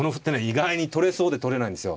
意外に取れそうで取れないんですよ。